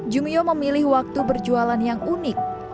jumio memilih waktu berjualan yang unik